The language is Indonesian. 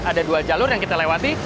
ada dua jalur yang kita lewati